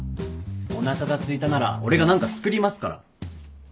おなかがすいたなら俺が何か作りますから